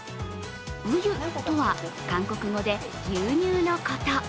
ウユとは、韓国語で牛乳のこと。